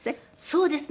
そうです。